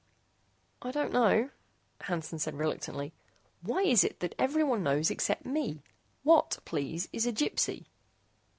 "I don't know," Hansen said reluctantly. "Why is it that everyone knows except me? What, please, is a Gypsy?"